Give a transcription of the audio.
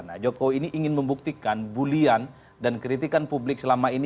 nah jokowi ini ingin membuktikan bulian dan kritikan publik selama ini